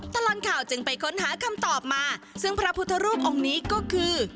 ตลอดข่าวจึงไปค้นหาคำตอบมาซึ่งพระพุทธรูปองค์นี้ก็คือ